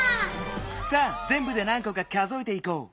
さあぜんぶで何こか数えていこう。